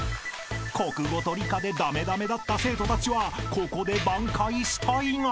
［国語と理科で駄目駄目だった生徒たちはここで挽回したいが］